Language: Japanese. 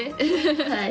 はい。